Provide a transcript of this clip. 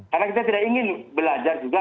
karena kita tidak ingin belajar juga